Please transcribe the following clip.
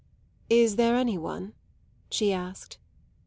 "Is there any one?" she asked.